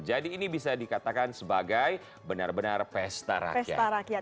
jadi ini bisa dikatakan sebagai benar benar pesta rakyat